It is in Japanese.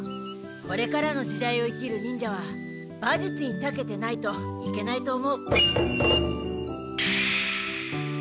これからの時代を生きる忍者は馬術にたけてないといけないと思う。